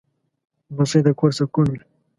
لمسی د کور سکون وي.